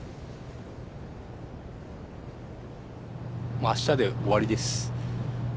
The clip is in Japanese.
もう明日で終わりです。